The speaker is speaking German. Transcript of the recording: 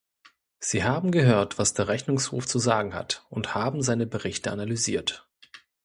Sie haben gehört, was der Rechnungshof zu sagen hat, und haben seine Berichte analysiert.